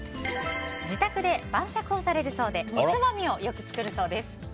自宅で晩酌をされるそうでおつまみをよく作るそうです。